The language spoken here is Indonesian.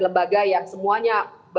lembaga yang semuanya